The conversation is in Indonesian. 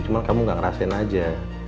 cuma kamu gak ngerasain aja